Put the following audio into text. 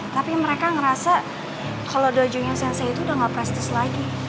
tapi mereka ngerasa kalo dojunya sensei itu udah gak prestis lagi